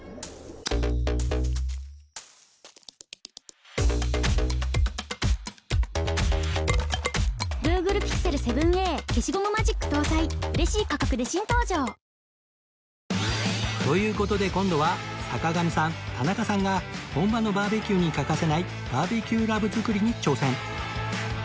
シャキッとするしいいじゃないですかという事で今度は坂上さん田中さんが本場のバーベキューに欠かせないバーベキューラブ作りに挑戦！